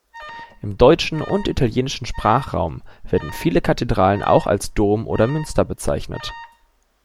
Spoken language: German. Im deutschen und italienischen Sprachraum werden viele Kathedralen auch als Dom oder Münster bezeichnet.